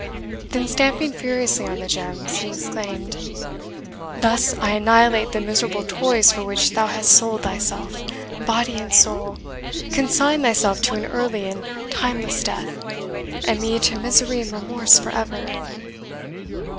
Then stamping furiously on the gems, he exclaimed, "Thus I annihilate the miserable toys for which thou hast sold thyself, body and soul consigned thyself to an early and timeless death, and me to misery and remorse for ever!